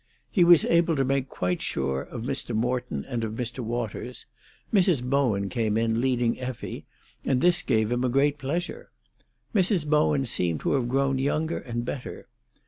He was able to make quite sure of Mr. Morton and of Mr. Waters; Mrs. Bowen came in, leading Effie, and this gave him a great pleasure. Mrs. Bowen seemed to have grown younger and better.